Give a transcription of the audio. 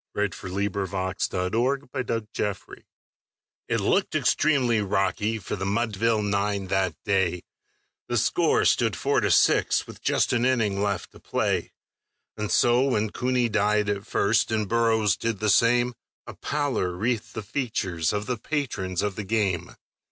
CASEY AT THE BAT BY ERNEST LAWRENCE THAYER It looked extremely rocky for the Mudville nine that day: The score stood four to six with just an inning left to play; And so, when Cooney died at first, and Burrows did the same, A pallor wreathed the features of the patrons of the game.